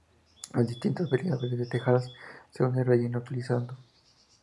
Hay distintas variedades de tejas, según el relleno utilizado.